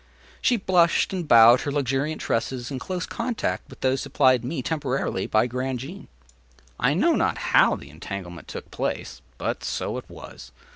She blushed and bowed her luxuriant tresses into close contact with those supplied me, temporarily, by Grandjean. I know not how the entanglement took place, but so it was.